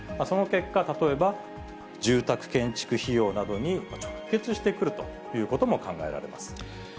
その結果、例えば、住宅建築費用などに直結してくるということも考えられます。